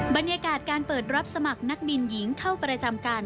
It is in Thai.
บรรยากาศการเปิดรับสมัครนักบินหญิงเข้าประจำการ